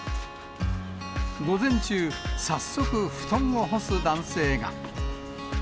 午前中、早速、布団を干す男性が。